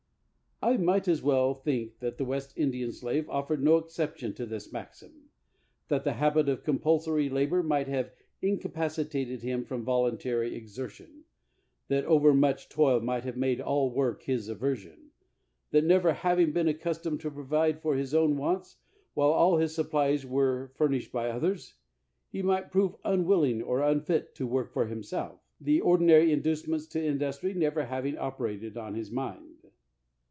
139 THE WORLD'S FAMOUS ORATIONS I might well think that the West Indian slave offered no exception to this maxim, that the habit of compulsory labor might have incapacitated him from voluntary exertion; that overmuch toil might have made all work his aversion; that never having been accustomed to provide for his own wants, while all his supplies were furnished by others, he might prove unwilling or unfit to work for himself, the ordinary in ducements to industry never having operated on his mind.